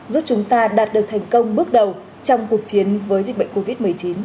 giúp chúng ta đạt được thành công bước đầu trong cuộc chiến với dịch bệnh covid một mươi chín